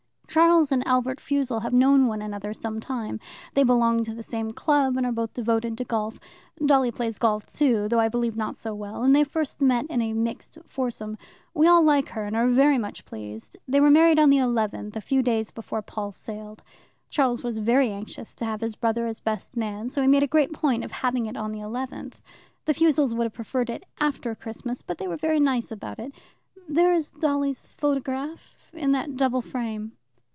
"Charles and Albert Fussell have known one another some time. They belong to the same club, and are both devoted to golf. Dolly plays golf too, though I believe not so well, and they first met in a mixed foursome. We all like her, and are very much pleased. They were married on the 11th, a few days before Paul sailed. Charles was very anxious to have his brother as best man, so he made a great point of having it on the 11th. The Fussells would have preferred it after Christmas, but they were very nice about it. There is Dolly's photograph in that double frame."